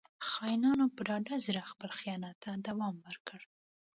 • خاینانو په ډاډه زړه خپل خیانت ته دوام ورکړ.